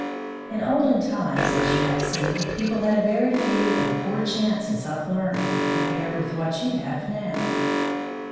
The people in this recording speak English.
In olden times, as you have seen, people had very few and poor chances of learning, compared with what you have now.